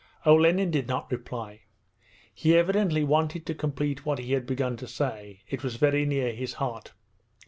Olenin did not reply. He evidently wanted to complete what he had begun to say. It was very near his heart.